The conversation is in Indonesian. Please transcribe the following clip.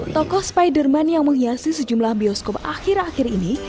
tokoh spiderman yang menghiasi sejumlah bioskop akhir akhir ini